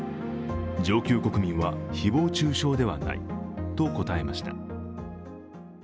上級国民は誹謗中傷ではないと答えました。